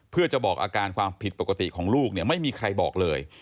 เพื่อจะบอกอาการความผิดปกติของลูกเนี่ยไม่มีใครบอกเลย